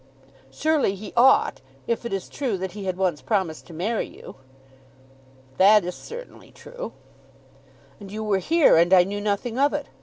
Surely he ought, if it is true that he had once promised to marry you." "That certainly is true." "And you were here, and I knew nothing of it.